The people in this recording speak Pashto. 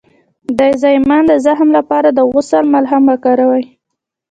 د زایمان د زخم لپاره د عسل ملهم وکاروئ